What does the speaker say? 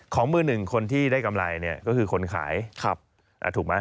มือหนึ่งคนที่ได้กำไรเนี่ยก็คือคนขายถูกไหม